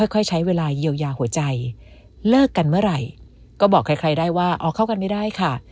ค่อยใช้เวลาเยียวยาหัวใจเลิกกันเมื่อไหร่ก็บอกใครได้ว่าอ๋อเข้ากันไม่ได้ค่ะ